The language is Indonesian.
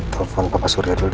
telepon papa surya dulu deh